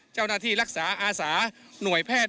เจ้าหน้าที่รักษาอาสาหน่วยแพทย์